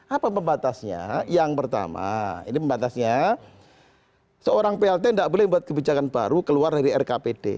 apa pembatasnya yang pertama ini pembatasnya seorang plt tidak boleh membuat kebijakan baru keluar dari rkpd